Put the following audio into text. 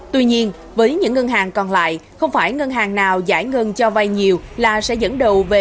tuy nhiên với những ngân hàng còn lại không phải ngân hàng nào giải ngân cho vay nhiều là sẽ dẫn đầu về